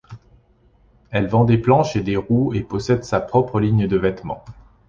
Elle vend des planches et des roues et possède sa propre ligne de vêtements.